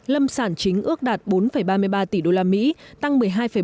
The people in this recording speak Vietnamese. lâm sản chính ước đạt bốn ba mươi ba tỷ usd tăng một mươi hai bảy